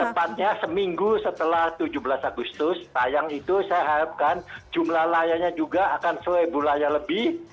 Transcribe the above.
tepatnya seminggu setelah tujuh belas agustus tayang itu saya harapkan jumlah layanya juga akan seribu layar lebih